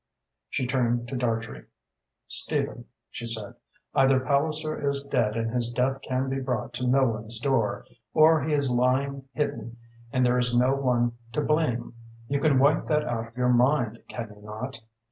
She turned to Dartrey. "Stephen," she said, "either Palliser is dead and his death can be brought to no one's door, or he is lying hidden and there is no one to blame. You can wipe that out of your mind, can you not?